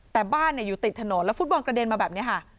แต่บ้านอยู่ติดถนนแล้วฟุตบอลกระเด็นมาแบบนี้ค่ะ